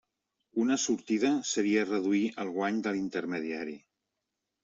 Una sortida seria reduir el guany de l'intermediari.